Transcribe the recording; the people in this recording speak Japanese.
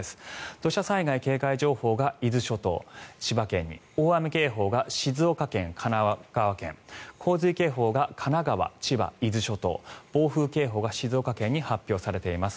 土砂災害警戒情報が伊豆諸島、千葉県に大雨警報が静岡県、神奈川県洪水警報が神奈川、千葉、伊豆諸島暴風警報が静岡県に発表されています。